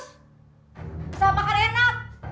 bisa makan enak